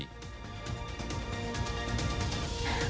รับไฟ